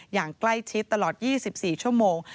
อย่างใกล้ชิดตลอด๒๔ชั่วโมง